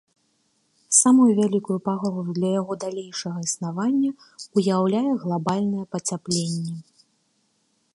Самую вялікую пагрозу для яго далейшага існавання ўяўляе глабальнае пацяпленне.